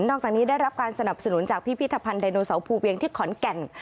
จากนี้ได้รับการสนับสนุนจากพิพิธภัณฑ์ไดโนเสาร์ภูเวียงที่ขอนแก่น